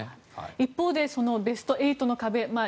一方でベスト８の壁